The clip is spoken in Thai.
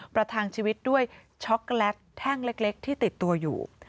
ประทังชีวิตด้วยช็อกโกแลตแท่งเล็กที่ติดตัวอยู่